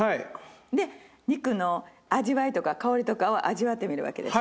で肉の味わいとか香りとかを味わってみるわけです。